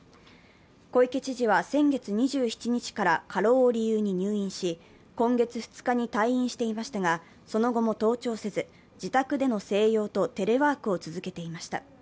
小池知事は先月２７日から過労を理由に入院し、今月２日に退院していましたが、その後も登庁せず、自宅での静養とテレワークを続けていました。